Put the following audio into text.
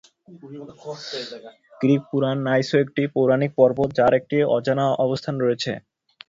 Greek পুরাণে Nysa একটি পৌরাণিক পর্বত যার একটি অজানা অবস্থান রয়েছে।